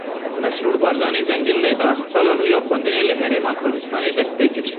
Mesrûr Barzanî zengil lêda; Sala nû ya xwendinê li Herêma Kurdistanê dest pê kir.